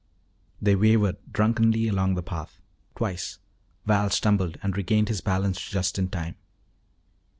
They wavered drunkenly along the path. Twice Val stumbled and regained his balance just in time.